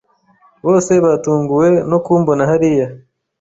Bose batunguwe no kumbona hariya.